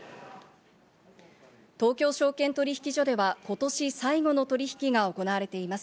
東京証券取引所では、今年最後の取引が行われています。